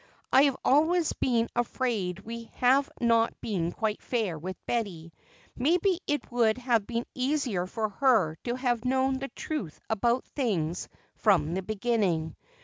I have always been afraid we have not been quite fair with Betty, maybe it would have been easier for her to have known the truth about things from the beginning.